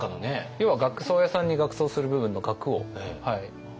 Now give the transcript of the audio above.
要は額装屋さんに額装する部分の額をリモコンアイロン